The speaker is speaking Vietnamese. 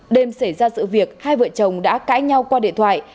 đêm xảy ra sự việc hai vợ chồng đã cãi nhau qua điện thoại